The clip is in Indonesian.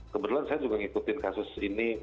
kebetulan saya juga ngikutin kasus ini